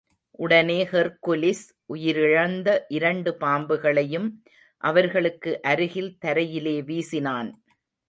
உடனே ஹெர்குலிஸ் உயிரிழந்த இரண்டு பாம்புகளையும் அவர்களுக்கு அருகில் தரையிலே வீசினான்.